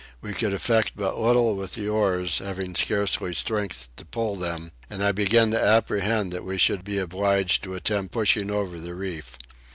We could effect but little with the oars, having scarce strength to pull them, and I began to apprehend that we should be obliged to attempt pushing over the reef.